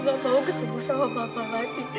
gak mau ketemu sama papa lagi